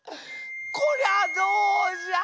こりゃどうじゃ。